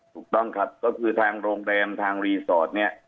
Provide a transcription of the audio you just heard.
ถูกต้องครับก็คือทางโรงแรมทางรีสอร์ทเนี่ย